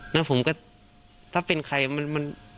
แล้วผมก็ถ้าเป็นใครมัน